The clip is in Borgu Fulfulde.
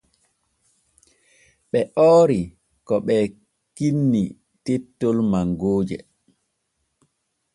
Ɓe oori ko ɓee kinni tettol mangooje.